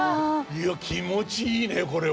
いや気持ちいいねこれは。